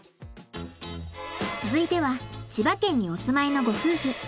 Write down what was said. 続いては千葉県にお住まいのご夫婦。